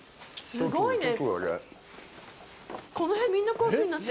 すごいねぇ。